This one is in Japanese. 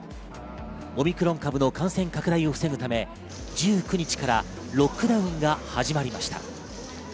オミクロン株の感染拡大を防ぐため、１９日からロックダウンが始まりました。